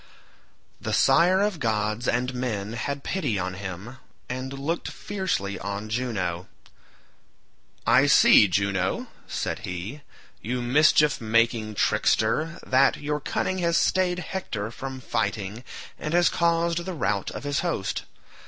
The sire of gods and men had pity on him, and looked fiercely on Juno. "I see, Juno," said he, "you mischief making trickster, that your cunning has stayed Hector from fighting and has caused the rout of his host.